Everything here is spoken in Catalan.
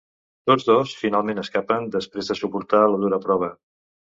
Tots dos finalment escapen després de suportar la dura prova.